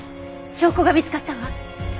証拠が見つかったわ。